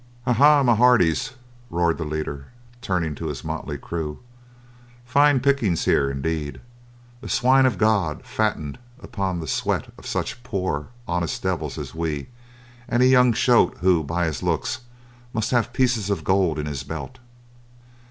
"A ha, my hearties," roared the leader, turning to his motley crew, "fine pickings here indeed. A swine of God fattened upon the sweat of such poor, honest devils as we, and a young shoat who, by his looks, must have pieces of gold in his belt.